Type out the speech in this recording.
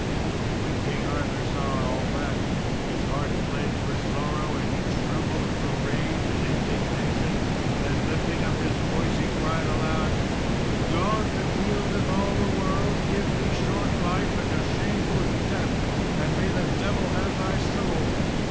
] When King Arthur saw all that, his heart bled for sorrow, and he trembled for rage and indignation; then lifting up his voice he cried aloud "God, that wieldeth all the world, give thee short life and shameful death, and may the devil have thy soul!